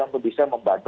untuk bisa membantu